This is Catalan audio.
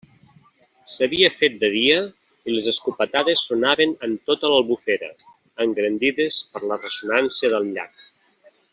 S'havia fet de dia i les escopetades sonaven en tota l'Albufera, engrandides per la ressonància del llac.